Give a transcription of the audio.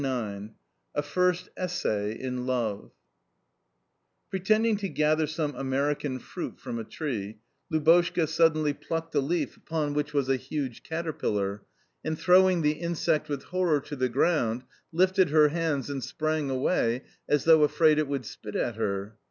IX A FIRST ESSAY IN LOVE PRETENDING to gather some "American fruit" from a tree, Lubotshka suddenly plucked a leaf upon which was a huge caterpillar, and throwing the insect with horror to the ground, lifted her hands and sprang away as though afraid it would spit at her.